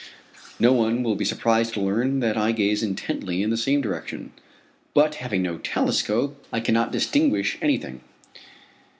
No one will be surprised to learn that I gaze intently in the same direction; but having no telescope I cannot distinguish anything.